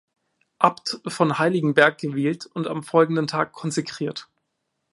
Abt von Heiligenberg gewählt und am folgenden Tag konsekriert.